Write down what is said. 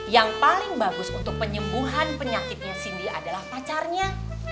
yang paling bagus untuk penyembuhan penyakitnya cindy adalah pacarnya